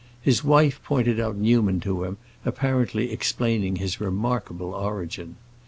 His wife pointed out Newman to him, apparently explaining his remarkable origin.